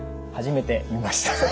初めて見ました。